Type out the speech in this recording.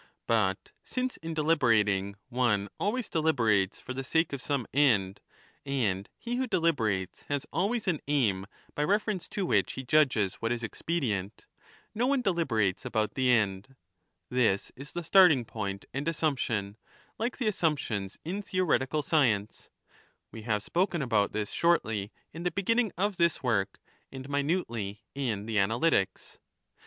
But since in deliberating one always deliberates for the 5 sake of some end, and he who deliberates has always an aim by reference to which he judges what is expedient, no one deliberates about the end ; this is the starting point and assumption, like the assurnptions in theoretical science (we have spoken about this shortly in the beginning of this 10 work and minutely in the Analytics ^).